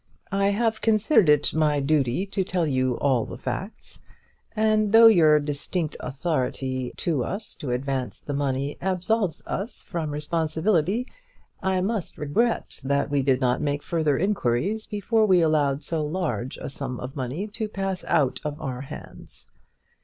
I have considered it my duty to tell you all the facts, and though your distinct authority to us to advance the money absolves us from responsibility, I must regret that we did not make further inquiries before we allowed so large a sum of money to pass out of our hands.